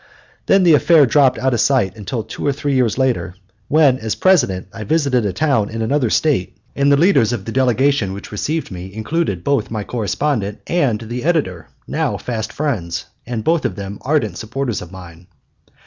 Then the affair dropped out of sight until two or three years later, when as President I visited a town in another State, and the leaders of the delegation which received me included both my correspondent and the editor, now fast friends, and both of them ardent supporters of mine.